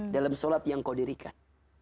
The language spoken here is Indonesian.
dalam sholat yang kau dirikan